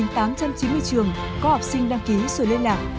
bảy tám trăm chín mươi trường có học sinh đăng ký số liên lạc